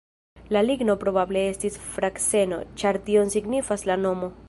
La ligno probable estis frakseno, ĉar tion signifas la nomo.